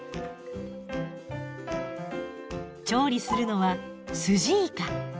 調理するのは「スジイカ」。